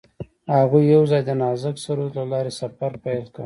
هغوی یوځای د نازک سرود له لارې سفر پیل کړ.